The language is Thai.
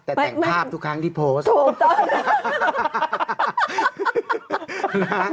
แต่แต่งภาพทุกครั้งที่โพสต์